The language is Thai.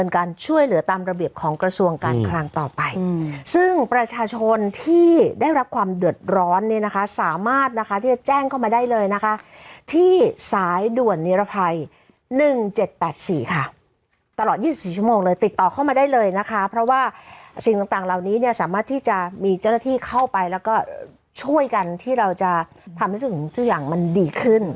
การช่วยเหลือตามระเบียบของกระทรวงการคลังต่อไปซึ่งประชาชนที่ได้รับความเดือดร้อนเนี่ยนะคะสามารถนะคะที่จะแจ้งเข้ามาได้เลยนะคะที่สายด่วนนิรภัย๑๗๘๔ค่ะตลอด๒๔ชั่วโมงเลยติดต่อเข้ามาได้เลยนะคะเพราะว่าสิ่งต่างเหล่านี้เนี่ยสามารถที่จะมีเจ้าหน้าที่เข้าไปแล้วก็ช่วยกันที่เราจะทำให้สิ่งทุกอย่างมันดีขึ้น